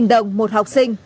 bốn mươi đồng một học sinh